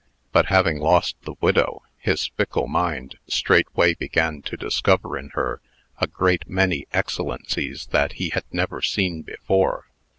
But, having lost the widow, his fickle mind straightway began to discover in her a great many excellencies that he had never seen before.